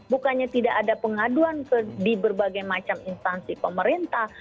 bukannya tidak ada pengaduan di berbagai macam instansi pemerintah